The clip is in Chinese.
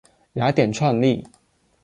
雅典创立。